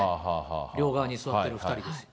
両側に座ってる２人です。